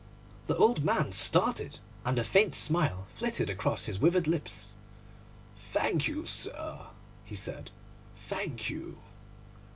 The old man started, and a faint smile flitted across his withered lips. 'Thank you, sir,' he said, 'thank you.